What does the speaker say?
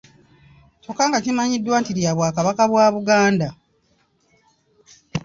Kyokka nga kimanyiddwa nti lya Bwakabaka bwa Buganda.